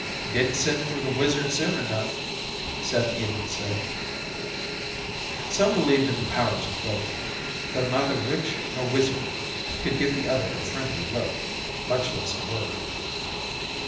"Didn't send for the wizard soon enough," Seth Eeling said. Some believed in the powers of both, though neither witch nor wizard would give the other a friendly look, much less a word.